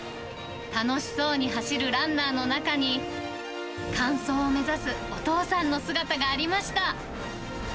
楽しそうに走るランナーの中に、完走を目指すお父さんの姿がありました。